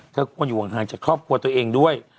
ควรอยู่ห่างจากครอบครัวตัวเองด้วย